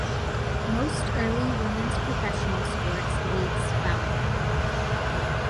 Most early women's professional sports leagues foundered.